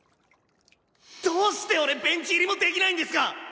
どうして俺ベンチ入りもできないんですか！？